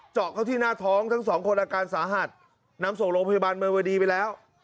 เจาะเข้าที่หน้าท้องทั้งสองคนอาการสาหัสนำส่งโรงพยาบาลเมืองวดีไปแล้ว